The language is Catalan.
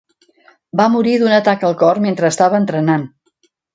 Va morir d'un atac al cor, mentre estava entrenant.